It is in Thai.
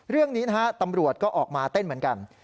เรื่องนี้นะฮะตำรวจก็ออกมาเต้นเหมือนกัน